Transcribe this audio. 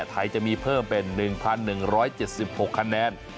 ไทยจะมีเพิ่มเป็น๑๑๗๖คะแนน